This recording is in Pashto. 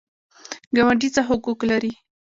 ګاونډي څه حقوق لري؟